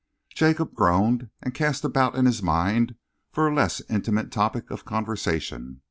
Jacob groaned and cast about in his mind for a less intimate topic of conversation.